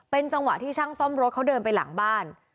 เป็นจังหวะที่ช่างซ่อมรถเขาเดินไปหลังบ้าน